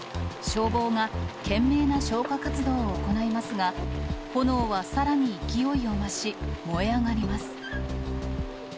消防が懸命な消火活動を行いますが、炎はさらに勢いを増し、燃え上がります。